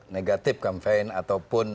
negatif kempen ataupun